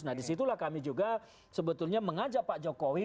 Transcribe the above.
nah disitulah kami juga sebetulnya mengajak pak jokowi